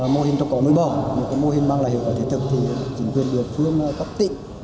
mô hình trồng cỏ nuôi bò một mô hình mang lại hiệu quả thiết thực thì chính quyền địa phương cấp tỉnh